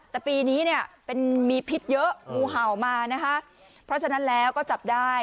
แต่ปีนี้เนี่ยเป็นมีพิษเยอะงูเห่ามานะคะเพราะฉะนั้นแล้วก็จับได้